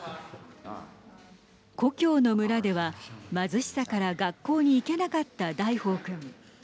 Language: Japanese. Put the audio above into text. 故郷の村では、貧しさから学校に行けなかった大宝くん。